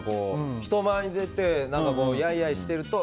人前に出て、やいやいしていると。